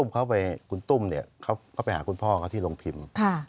คุณตุ้มเขาไปหาคุณพ่อเขาที่โรงพิมพ์